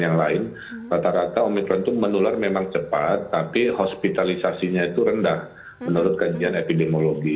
yang lain rata rata omikron itu menular memang cepat tapi hospitalisasinya itu rendah menurut kajian epidemiologi